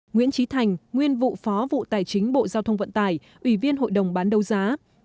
nguyễn trí thành nguyên vụ phó vụ tài chính bộ giao thông vận tải ủy viên hội đồng bán đấu giá